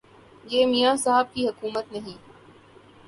یہ میاں صاحب کی حکومت نہیں